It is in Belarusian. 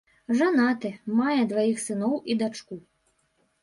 Жанаты, мае дваіх сыноў і дачку.